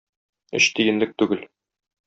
Өч тиенлек түгел